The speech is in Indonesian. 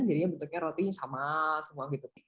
jadinya bentuknya rotinya sama semua gitu